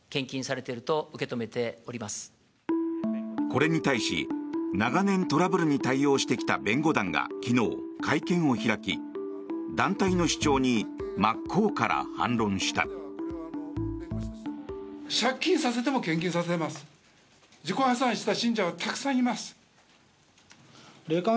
これに対し、長年トラブルに対応してきた弁護団が昨日、会見を開き団体の主張に真っ向から反論した。